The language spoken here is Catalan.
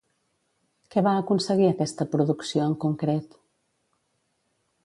Què va aconseguir aquesta producció en concret?